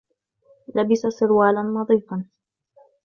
لبس سروالاَ نظيفاَ.